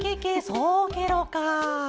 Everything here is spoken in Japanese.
そうケロか！